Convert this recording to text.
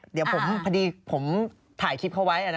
เดี๋ยวผมพอดีผมถ่ายคลิปเขาไว้